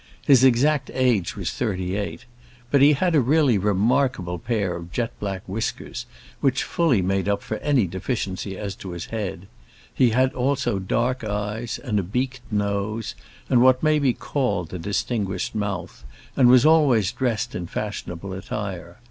His exact age was thirty eight. But he had a really remarkable pair of jet black whiskers, which fully made up for any deficiency as to his head; he had also dark eyes, and a beaked nose, what may be called a distinguished mouth, and was always dressed in fashionable attire.